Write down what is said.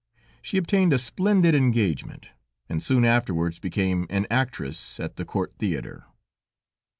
She obtained a splendid engagement, and soon afterwards became an actress at the Court theater.